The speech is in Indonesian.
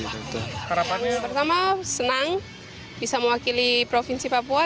harapannya pertama senang bisa mewakili provinsi papua